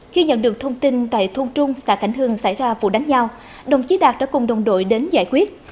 khi nhận được thông tin tại thôn trung xã cảnh hương xảy ra vụ đánh nhau đồng chí đạt đã cùng đồng đội đến giải quyết